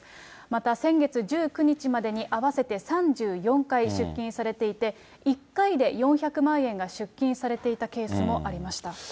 また先月１９日までに、合わせて３４回出金されていて、１回で４００万円が出金されていたケースもありました。